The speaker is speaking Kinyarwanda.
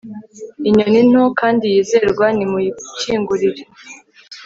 inyoni nto, kandi yizerwa nimuyikingurire